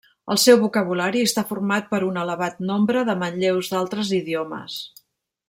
El seu vocabulari està format per un elevat nombre de manlleus d'altres idiomes.